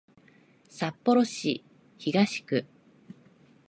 札幌市東区